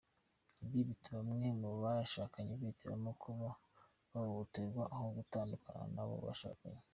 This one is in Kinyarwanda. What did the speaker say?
Ibi bituma bamwe mu bashakanye bahitamo kuba bahohoterwa aho gutandukana n’abo bashakanye.